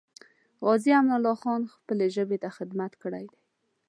غازي امان الله خان خپلې ژبې ته خدمت کړی دی.